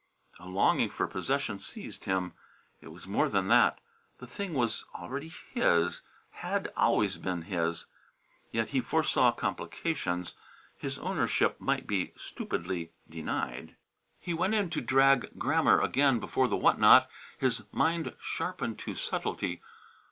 A longing for possession seized him. It was more than that. The thing was already his; had always been his. Yet he foresaw complications. His ownership might be stupidly denied. He went in to drag Grammer again before the whatnot, his mind sharpened to subtlety.